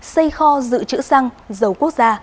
xây kho dự trữ xăng dầu quốc gia